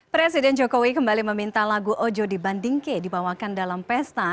presiden jokowi kembali meminta lagu ojo di bandingke dibawakan dalam pesta